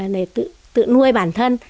để tự nuôi bản thân